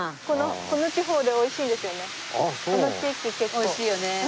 このこの地方で美味しいですよね。